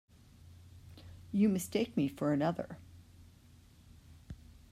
You mistake me for another.